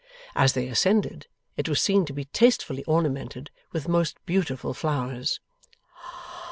As they ascended, it was seen to be tastefully ornamented with most beautiful flowers.